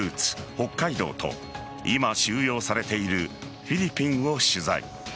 北海道と今、収容されているフィリピンを取材。